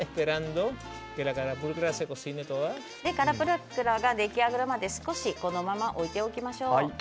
カラプルクラが出来上がるまで少しこのまま置いておきましょう。